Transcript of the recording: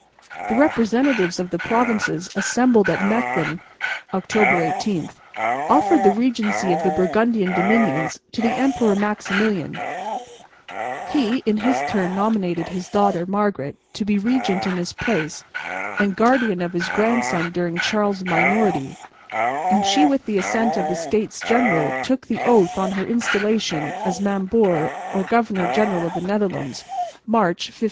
The representatives of the provinces, assembled at Mechlin (October 18), offered the regency of the Burgundian dominions to the Emperor Maximilian; he in his turn nominated his daughter, Margaret, to be regent in his place and guardian of his grandson during Charles' minority, and she with the assent of the States General took the oath on her installation as Mambour or Governor General of the Netherlands, March, 1507.